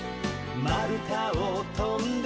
「まるたをとんで」